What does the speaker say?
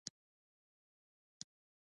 د زیتون اچار ډیر خوندور وي.